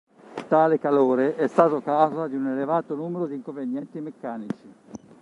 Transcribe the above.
Tale calore è stato causa di un elevato numero di inconvenienti meccanici.